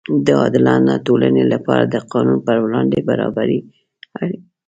د عادلانه ټولنې لپاره د قانون پر وړاندې برابري اړینه ده.